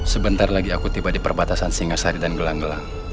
sebentar lagi aku tiba di perbatasan singa sari dan gelang gelang